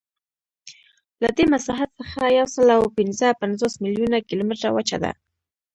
له دې مساحت څخه یوسلاوپینځهپنځوس میلیونه کیلومتره وچه ده.